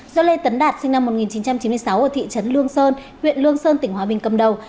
do lê tấn đạt sinh năm một nghìn chín trăm chín mươi sáu ở thị trấn lương sơn huyện lương sơn tỉnh hòa bình cầm đầu